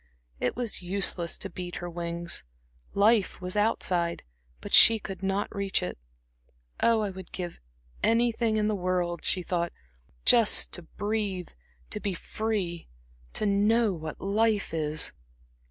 It was useless to beat her wings; life was outside, but she could not reach it. "Oh, I would give anything in the world," she thought "just to breathe, to be free, to know what life is."